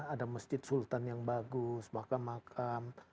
ada masjid sultan yang bagus bahkan makam